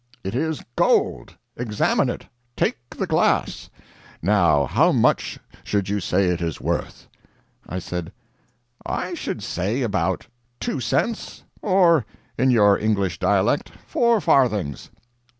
"It is gold. Examine it take the glass. Now how much should you say it is worth?" I said: "I should say about two cents; or in your English dialect, four farthings."